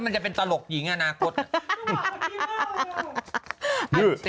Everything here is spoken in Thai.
มันจะเป็นตลกหญิงอนาคต